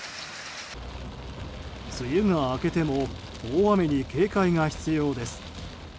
梅雨が明けても大雨に警戒が必要です。